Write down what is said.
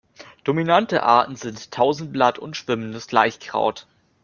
Dominante Arten sind Tausendblatt und Schwimmendes Laichkraut.